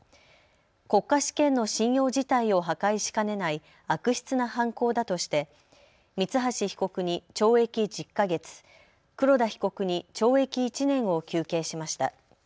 国家試験の信用自体を破壊しかねない悪質な犯行だとして三橋被告に懲役１０か月、黒田被告に懲役１年を求刑しました。